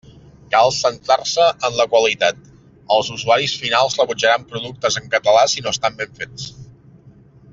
Cal centrar-se en la qualitat: els usuaris finals rebutjaran productes en català si no estan ben fets.